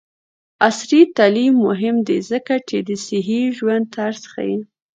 عصري تعلیم مهم دی ځکه چې د صحي ژوند طرز ښيي.